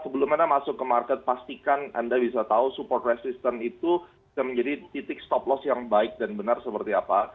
sebelum anda masuk ke market pastikan anda bisa tahu support resistance itu bisa menjadi titik stop loss yang baik dan benar seperti apa